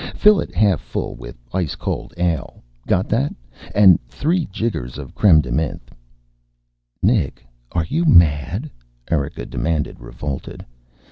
Fill it half full with ice cold ale. Got that? Add three jiggers of creme de menthe " "Nick, are you mad?" Erika demanded, revolted.